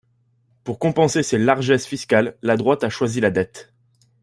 Pour compenser ses largesses fiscales, la droite a choisi la dette.